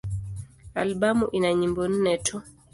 Albamu ina nyimbo nne tu.